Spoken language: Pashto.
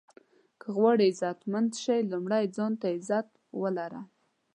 که غواړئ عزتمند شې لومړی ځان ته عزت ولره.